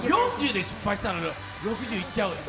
４０で失敗したら６０いっちゃおうよ。